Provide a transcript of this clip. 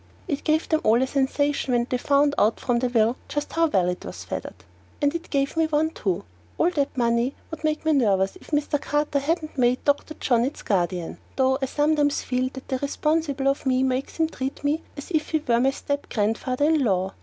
It gave them all a sensation when they found out from the will just how well it was feathered. And it gave me one too. All that money would make me nervous if Mr. Carter hadn't made Dr. John its guardian, though I sometimes feel that the responsibility of me makes him treat me as if he were my step grandfather in law.